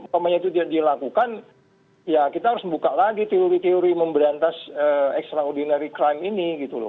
kalau pemaya jepang itu dilakukan ya kita harus membuka lagi teori teori memberantas extraordinary crime ini